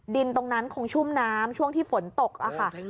ดินตรงนั้นคงชุ่มน้ำช่วงที่ฝนตกค่ะ